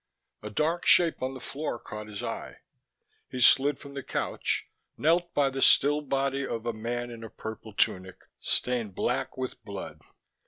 A dark shape on the floor caught his eye. He slid from the couch, knelt by the still body of a man in a purple tunic stained black with blood.